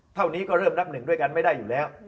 เท่านี้ก็เริ่มนับหนึ่งด้วยกันไม่ได้อยู่แล้ว